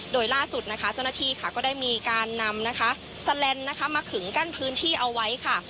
โดยล่าสุดนะคะเจ้าหน้าที่ก็ได้มีการนำแสลนมาขึ้นกั้นพื้นที่เอาไว้ค่ะ